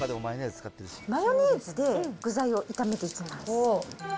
マヨネーズで具材を炒めていきます。